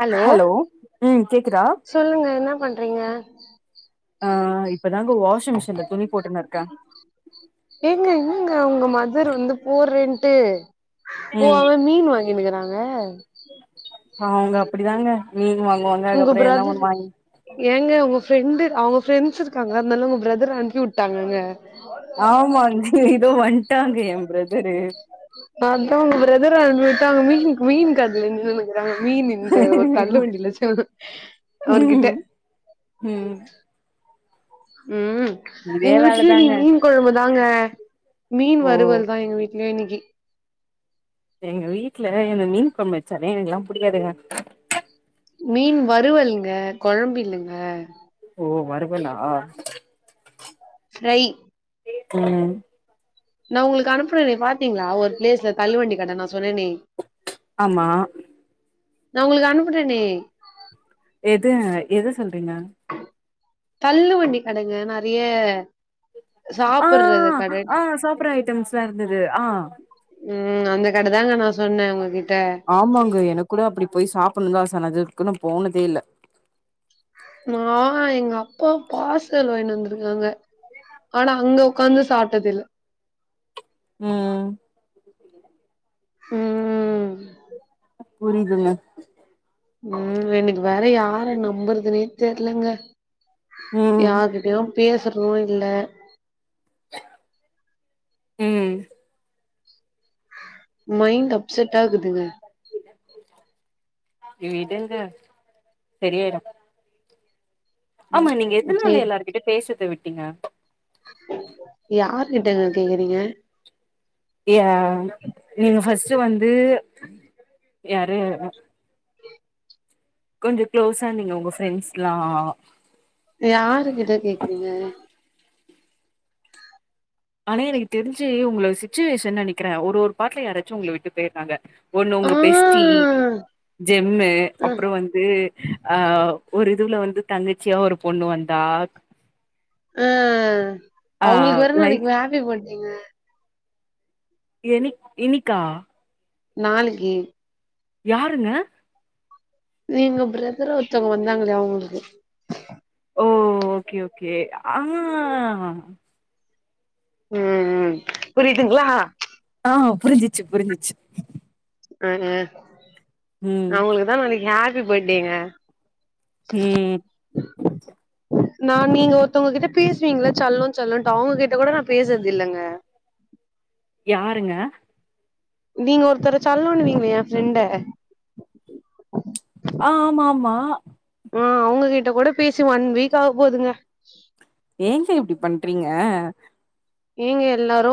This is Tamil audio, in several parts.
ஹலோ ம் கேக்குதா சொல்லுங்க என்ன பண்றீங்க நா இப்பதான்ங்க வாஷிங் மிஷின்ல துணி போட்டுன்னு இருக்க ஏங்க என்னங்க உங்க மதர் வந்து போட்றேன்ட்டு ஓ ம் அவ மீன் வாங்கினுருக்றாங்க அவங்க அப்டிதாங்க மீன் வாங்குவங்க உங்க பிரதர் ஏங்க உங்க ஃப்ரெண்டு் அவங்க ஃப்ரெண்ட்ஸ் இருக்காங்க அதனால உங்க பிரதர அனுப்பி வுட்டாங்கங்க ஆமாங்க இதோ வந்ட்டாங்க எ பிரதரு அதா உங்க பிரதர அனுப்பிட்டு அவங்க மீன் மீன் கடைல நின்னுன்னு க்றாக மீனு இந்த ஒரு தள்ளு வண்டில வச்சுகினு அவர்கிட்ட ம் ம் ம், இதே எங்க வீட்லயு இன்னிக்கி வேலதாங்க மீன் கொழம்புதாங்க மீன் ஓ வறுவல் தா எங்க வீட் ல இன்னிக்கி எங்க வீட்ல இந்த மீன் கொழம்பு வச்சாலே எனக்குலா புடிக்காதுங்க மீன் வறுவல்ங்க கொழம்பு இல்லங்க ஓ வறுவல்லா ஃப்ரை ம் நா உங்களுக்கு அனுப்பனேனே பாத்தீங்ளா ஒரு பிளேஸ்ல தள்ளி வண்டி கடை நா சொன்னனே ஆமா நா உங்களுக்கு அனுப்புனனே எது எத சொல்றீங்க தள்ளு வண்டி கடைங்க நறைய ஆ சாப்புட்றது கட திரு ஆ உம் அந்த கட தாங்க நா சொன்னே உங்ககிட்ட ஆமாங்க எனக் கூட அப்டி போய் சாப்புணுதா சனது இக்குன்னு போனதே இல்ல நா எங்க அப்பா பாசல் வாயின் வந்துருக்காங்க ஆனா அங்க உக்காந்து சாட்டதில்ல உம் உம்ம் புரிதுல்ல உம் என்னுக்கு வேற யார நம்புற்துனே தெர்லங்க ம் யாரு ப்யு பேசுறும் இல்ல உம் மைண்ட் அப்செட் ஆகுதுங்க விடுங்க சரியாய்டு ஆமா ம் நீங்க எதுனால சேரி எல்லார்கிட்டயு பேசர்த விட்டீங்க யார் கிட்டங்க கேக்குறீங்க ய்ய நீங்க ஃபர்ஸ்டு வந்து யாருஅ கொஞ்சோ க்ளோஸா நீங்க உங்க ஃப்ரெண்ட்ஸ் லா யாரு கிட்ட கேக்குறீங்க ஆனே எனக்கு தெரிஞ்சி உங்கள சிச்சுவேஷன் நெனைக்கிறே ஒரு ஒரு பாட்ல யாராச்சு உங்கள விட்டு போய்றாங்க ஒண்ணு ஆ உங்க பெஸ்டி ஜெம்மு அ அப்றோ வந்து அ ஒரு இதுல வந்து தங்கச்சியா ஒரு பொண்ணு வந்தாக் ஆ ஆ அவங்களுக்கு வற லை நாளைக் ஹாப்பி பட்டேங்க எனிக் இனிக்கா நாளு ஙே யாருங்க நீங்க ப்ரதர் ஒருத்தவங்க வந்தாங்களையா அவுங்களுக்கு ஓ ஓகே ஓகே ஆ ஹா ம் ம் புரிதங்லா ஆவ் புரிஞ்சிச்சி புரிஞ்சிச் ஆஹ ம் அவங்களுக்குதா நாலிக்கு ஹாப்பி பர்டேங்க உம் [inaudible] நா நீங்க ஒருத்தவங்ககிட்ட பேசுவீங்ள செல்லோ செல்லோண்ட்டு அவங்ககிட்ட கூட நா பேசித் இல்லங்க யாருங்க நீங்க ஒருத்தர சல்லோனுவீங்களே என் ஃப்ரெண்ட ஆ ஆமா ஆமா ஆ அவங்க கிட்ட கூட பேசி ஒன் வீக் ஆக போதுங்க ஏங்க இப்டி பண்றீங்க ஏங்க எல்லாரு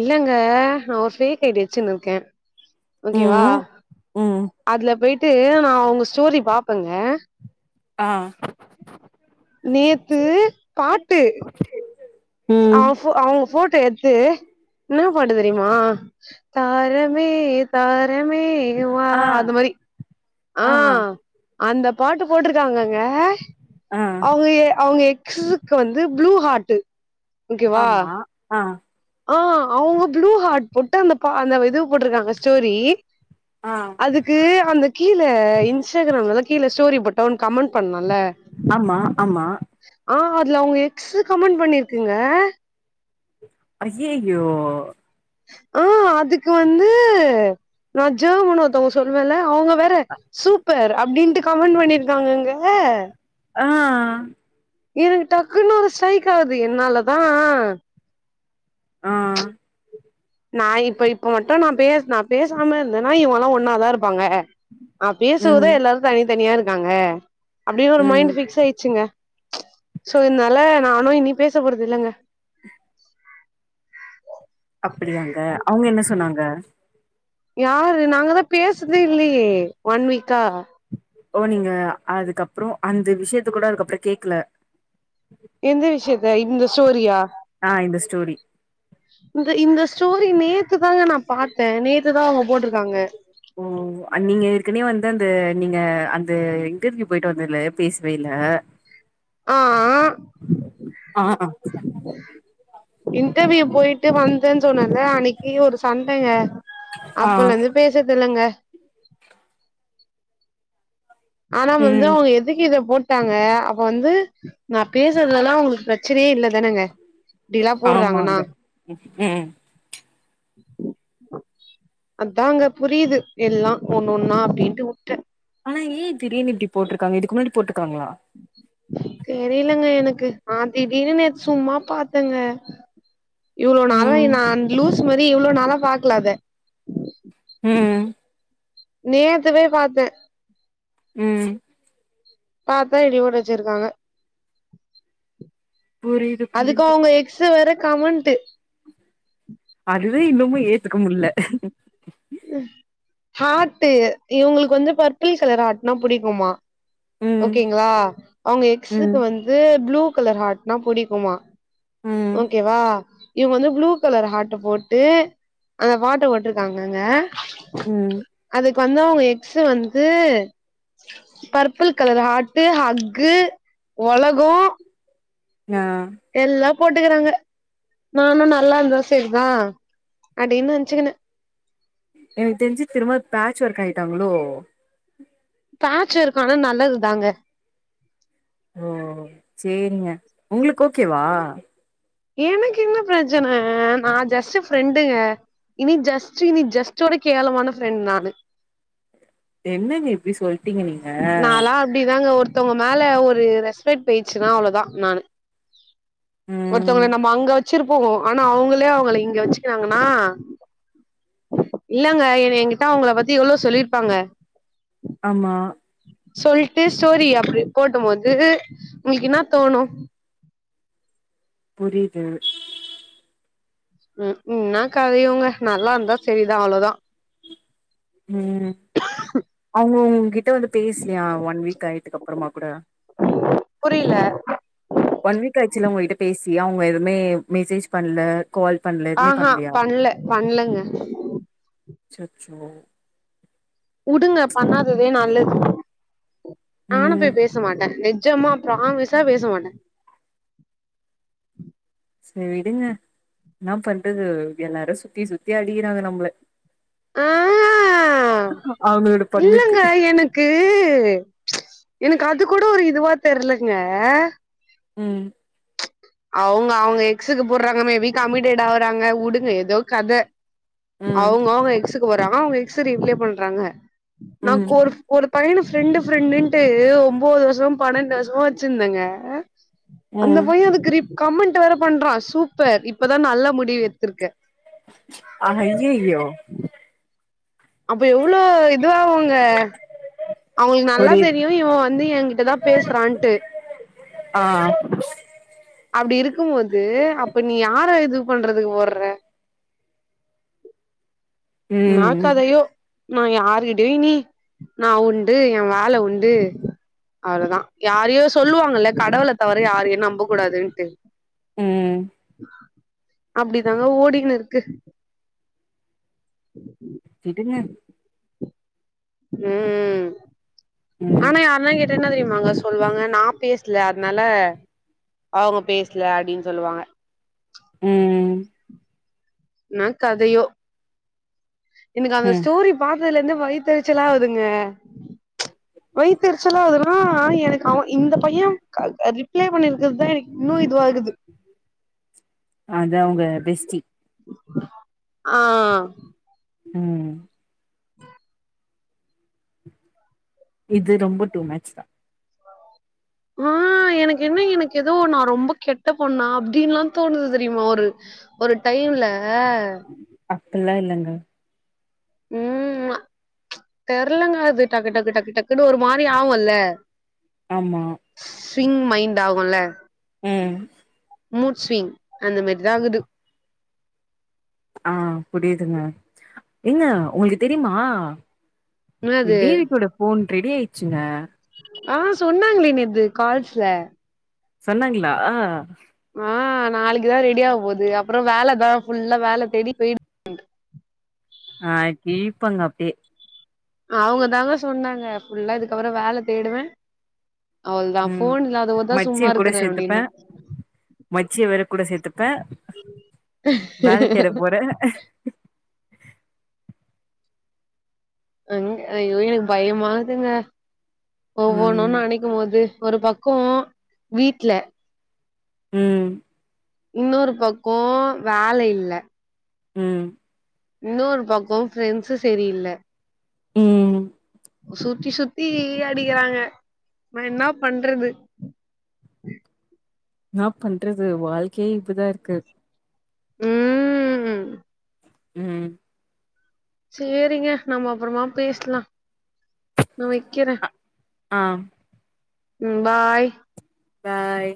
இல்லங்க ஓர் ஃபேக் ஐடி வச்சின் இருக்கே ஓகேவா ம் ம் அதுல போயிட்டு நா அவங்க ஸ்டோரி பாப்பேங்க ஆ நேத்து பாட்டு ம் அவ்ஃபோ அவங்க ஃபோட்டோ எடுத்து னா பாட்டு தெரியுமா தாரமே தாரமே வா அது மாரி ஆ அஆ அந்த பாட்டு போட்ருக்காங்கங்க ஆ அவங்குஏ அவங்க எக்ஸுஸுக் க்கு வந்து ப்ளூ ஹாட்டு ஒகேவா ஆமா ஆ ஆ அவங்க ப்ளூ ஹாட் போட்டு அந்த பா அந்த இதுவ் போட்ருக்காங்க ஸ்டோரி ஆ அதுக்கு அந்த கீழ இன்ஸ்டாக்ராம்லல்லா கீழ ஸ்டோரி போட்டவுன் கமெண் பண்ணல்ல ஆமா ஆமா ஆ அதுல உங்க எக்ஸ் கமெண்ட் பண்ணிருக்குங்க ஐயையோ ஆ அதுக்கு வந்து நா ஜமுன்னு ஒருத்தவங்க சொல்லுவேல அவங் வேற சூப்பர் அப்டின்ட்டு கமெண்ட் பண்ணிருக்காங்கங்க ஆ எனக்கு டக்குன்னு ஒரு ஸ்டைக் ஆகுது என்னாலதா ஆ நா இப்ப இப்ப மட்டு நா பேச நா பேசாம இருந்தேனா இவுங்க எல்லா ஒன்னாதா இருப்பாங்க அ பேசுவதா ம் எல்லாரும் தனி தனியா இருக்காங்க அப்டினு ஒரு ம் மைண்ட் பிக்ஸ் ஆயிச்சுங்க சோ இதனால நானு இனி பேச போறது இல்லங்க அப்படி யாங்க அவுங்க என்ன சொன்னாங்க யாரு நாங்க தா பேசுறதே இல்லையே ஒன் வீக்கா ஓ நீங்க அதுக்கப்புறோ அந்த விஷயத்த கூட அதுக்கப்புற கேக்கல எந்த விஷயத்த இந்த ஸ்டோரியா ஆ இந்த ஸ்டோரி இந்த இந்த ஸ்டோரி நேத்துதாங்க நா பாத்தே நேத்துதா அவுங்க போட்ருக்காங்க ஓ அ நீங்க ஏற்கனவே வந்து அந்த நீங்க அந்த இன்டர்வியூ போயிட்டு வந்தில பேசவே இல்ல ஆ ஆ ஆ இன்டர்வியூ போயிட்டு வந்தேன்னு சொன்னேல அன்னைக்கு ஒரு சண்டங்க ஆ அப்பல இந்து பேசதில்லங்க ஆனா வந்து ம் அவுங்க எதுக்கு இத போட்டாங்க அப்ப வந்து நா பேசுறதுல்லா தா அவுங்களுக்கு பிரச் ச்சனையே இல்லதானங்க இப்டிலா போடுறாங்கன்னா ஆமாங்க ம் ம் அதாங்க புரியுது எல்லா ஒண்ணு ஒன்னா அப்டின்ட்டு விட்டே ஆனா ஏ திடிர்னு இப்டி போட்ருக்காங்க இதுக்கு முன்னாடி போட்ருக்காங்களா தெரியலங்க எனக்கு ஆ திடீனு நேத் சும்மா பாத்தங்க இவ்ளோ நாளா ம் நா அந் லூஸ் மாரி இவ்ளோ நாளா பாக்கல அத ம் நேத்து போய் பாத்தே ம் பாத்தா இப்டி போட்டு வச்சிருக்காங்க புரியுது அதுக்கு புரியுது அவுங்க எக்ஸ் வேற கமெண்ட் அதுவே இன்னுமு ஏத்துக்க முட்ல ஹாட்டு இவுங்களுக்கு வந்து பர்பிள் கலர் ஹாட்னா புடிக்குமா ம் ஓகேங்களா அவுங்க ம் எக்ஸுக்கு வந்து ப்ளூ கலர் ஹாட்னா புடிக்குமா ம் ஓகேவா இவுங்க வந்து ப்ளூ கலர் ஹாட்ட போட்டு அந்த பாட்ட போட்ருக்காங்க ங்க ம் அதுக்கு வந்த அவுங்க எக்ஸ்சு வந்து பிள் கலர் ஹாட்டு ஹக்கு உலகோ ஆ எல்லா போட்டுக்கிறாங்க நானு நல்லா இருந்தா சேரிதா அடின்னு நினச்சுக்குனே எனக்கு தெரிஞ்சு திரும்ப பேட்ச் ஒர்க் ஆயிட்டாங்களோ பேட்ச் இருக்கானா நல்லது தாங்க ஓ சேரிங்க ஒங்களுக்கு ஓகேவா எனக்கு என்ன பிரச்சன நா ஜஸ்ட் ஃப்ரெண்டுங்க இனி ஜஸ்ட் இனி ஜஸ்டோட கேவலமான ஃப்ரெண்ட் நானு என்னங்க இப்டி சொல்ட்டீங்க நீங்க ப்படி தாங்க ஒருத்தவங்க மேல ஒரு ரெஸ்பெக்ட் போயிச்சுனா அவ்ளோதா நானு ம் ஒருத்தவங்கள நம்ம அங்க வச்சிருப்போ ஆனா அவுங்களே அவுங்கள இங்க வச்சுக்குனாங்கனா இல்லங்க எனய எங்க்கிட்ட அவுங்கள பத்தி எவ்ளோ சொல்லிருப்பாங்க ஆமா சொல்ட்டு ஸ்டோரி அப்டி போடும் போது உங்களுக்கு என்னா தோணு புரியிது ம் ம் என்னா கத இவங்க நல்லா இருந்தா செரிதா அவ்வளதா ம் அவங்க உங்ககிட்ட வந்து பேசலியா ஒன் வீக் ஆயடுக்கு அப்பறமா கூட புரில ஒன் வீக் ஆச்சில்ல உங்ககிட்ட பேசி அவங்க எதுவுமே மெசேஜ் பண்ணல கால் பண்ணல எதுமே ஆஹா பண்ணலயா பண்ல பண்லங்க அச்சச்சோ வுடுங்க பண்ணாததே நல்லது நானு ம். போய் பேச மாட்டே நிஜம்மா பிராமிஸா பேச மாட்டே செரி விடுங்க என்னா பண்றது எல்லாரு சுத்தி சுத்தி அடிகிறாங்க நம்மள ஆ அவங்களோட பங்குக்கு க்கு எனக்கு அது கூட ஒரு இதுவா தெரிலங்க ம் அவுங்க அவுங்க எக்ஸுக்கு போடுறாங்க மேபி கமிடேட் ஆகுறாங்க உடுங்க ஏதோ கத ம். அவுங்க அவுங்க எக்ஸூக்கு போடுறாங்க அவுங்க எக்ஸூ ரீப்ளே பண்றாங்க நா ம். கோர் ஒரு பையன ஃப்ரெண்டு ஃப்ரெண்டுட்டு ஒம்பது வருஷோ பன்னெண்டு வருஷமா வச்சிருந்தேங்க அந்த ம். பையே அதுக்கு ரிப் கமெண்ட் வேற பண்றா சூப்பர் இப்பதா நல்ல முடிவு எத்துருக்க அய்யய்யோ அது எவ்ளோ இதுவாவுங்க அவனுக்கு நல்லா புரியுது. தெரியு இவ வந்து ஏ கிட்டதா பேசுறான்ட்டு ஆ அப்டி இருக்கும் போது அப்ப நீ யார இது பண்றதுக்கு போடுற என்ன ம். கதயோ நா யாருகிட்டயு இனி நா உண்டு ஏ வேல உண்டு அவ்ளதா யாரையோ சொல்லுவாங்கல்ல கடவுள தவற யாரையு நம்ப கூடாதுன்ட்டு ம். அப்டிதாங்க ஓடிகின்னு இருக்கு ம் விடுங்க ம் ம். ஆனா யாருனா கேட் டா என்ன தெரியுமாங்க சொல்லுவாங்க நா பேசல அதனால அவங்க பேசல அப்டின்னு சொல்லுவாங்க ம் ம் என்ன கதையோ எனக்கு அந்த ம். ஸ்டோரி பாத்ததுல இருந்தே வயிதெரிச்சலா ஆகுதுங்க வயதெரிச்சலா ஆவுதுன்னா எனக்கு அவே இந்த பைய ரிப்ளே பண்ணிருக்கிறது தா எனக்கு இன்னு இதுவாகுது அதா அவுங்க பெஸ்டி ஆ ம் இது ரொம்ப டூ மேட்ச் தா ஆ எனக்கு என்ன எனக்கு ஏதோ நா ரொம்ப கெட்ட பொண்ணா அப்டின்லா தோணுது தெரியுமா ஒரு ஒரு டைவுல அப்டில்லா இல்லங்க ம்மா தெர்லங்க அது டக்கு டக்கு டக்கு டக்குன்னு ஒரு மாரி ஆவுல்ல ஆமா ஸீரிங் மைண்ட் ஆகுல்ல ம் மூட் ஸ்விங் அந்த மர் தா ஆகுது ஆ புரியுதுங்க எங்க ஒங்களுக்கு தெரியுமா என்னது இந் டேவிட்டோட போன் ரெடி ஆயிடுச்சுங்க ஆ சொன்னாங்களே நேது கால்ஸ்ல சொன்னாங்களா ஆ நாளைக்கு தா ரெடி ஆக போகுது அப்றோ வேல தா ஃபுல்லா வேல தேடி போய் ஆ கிளிப்பாங்க அப்டியே அவங்க தாங்க சொன்னாங்க ஃபுல்லா இதுக்கப்பறோ வேல தேடுவே அவ்ளோதா ம் போன் இல்லாதவங்க தா மச்சிய சும்மா கூட இருக்கற சேத்துப்பே அப்டினா மச்சிய வேற கூட சேத்துப்பே வேல தேட போற எங்க ஐயோ எனக்கு பயமா இருக்குங்க ஒவ்வொன்னு ம் நெனைக் கும்போது ஒரு பக்கோ வீட்ல உம் இன்னொரு பக்கோ வேலை இல்ல உம் இன்னொரு பக்கோ ஃப்ரெண்ட்ஸு செரியில்ல உம் சுத்தி சுத்தி ஈ அடிக்கிறாங்க நா என்ன பண்டறது என்னா பண்டறது வாழ்க்கையே இப்டி தா இருக்கு உம் உம் சேரிங்க நம்ம அப்றோமா பேசலா நா வைக்கிறே ஆம் உம் பாய் பாய்